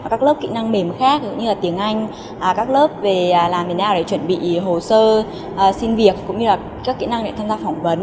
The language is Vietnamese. các lớp kỹ năng mềm khác cũng như là tiếng anh các lớp về làm thế nào để chuẩn bị hồ sơ xin việc cũng như là các kỹ năng để tham gia phỏng vấn